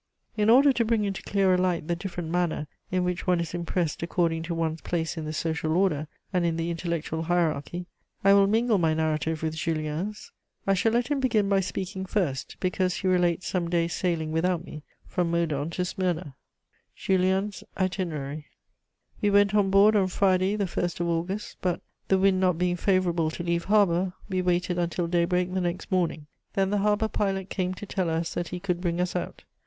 In order to bring into clearer light the different manner in which one is impressed according to one's place in the social order and in the intellectual hierarchy, I will mingle my narrative with Julien's. I shall let him begin by speaking first, because he relates some days' sailing without me from Modon to Smyrna. JULIEN'S ITINERARY. "We went on board on Friday the 1st of August; but, the wind not being favourable to leave harbour, we waited until daybreak the next morning. Then the harbour pilot came to tell us that he could bring us out.